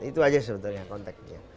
itu aja sebenarnya konteknya